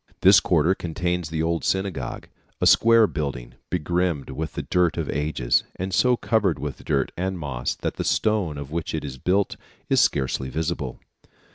This quarter contains the old synagogue, a square building begrimed with the dirt of ages, and so covered with dirt and moss that the stone of which it is built is scarcely visible.